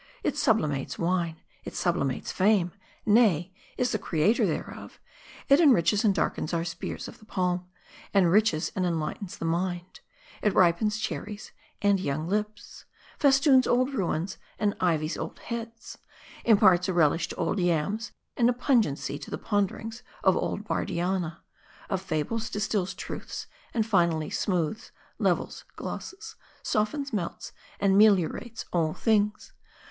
It sublimates wine ; it sublimates fame ; nay, is the creator thereof ; it enriches and darkens our spears of the Palm ; enriches and enlightens the rnind ; it ripens cherries and young lips ; festoons old ruins, and ivies old heads ; imparts a relish to old yams, and a pungency to the Ponderings of old Bardianna ; of fables distills truths ; and finally, smooths, levels, glosses, softens, melts, and meliorates all things.